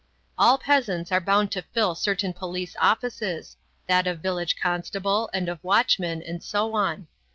All peasants are bound to fill certain police offices that of village constable, and of watchman, and so on.